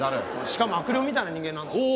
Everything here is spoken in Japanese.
しかも悪霊みたいな人間なんでしょ？